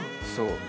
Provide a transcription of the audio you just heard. そう。